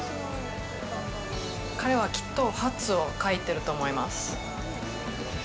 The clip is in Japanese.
彼はきっと、ハットを書いていると思います。